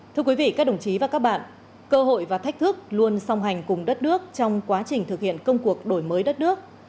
thưa quý vị các đồng chí và các bạn cơ hội và thách thức luôn song hành cùng đất nước trong quá trình thực hiện công cuộc đổi mới đất nước